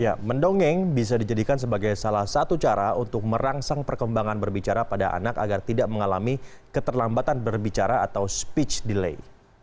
ya mendongeng bisa dijadikan sebagai salah satu cara untuk merangsang perkembangan berbicara pada anak agar tidak mengalami keterlambatan berbicara atau speech delay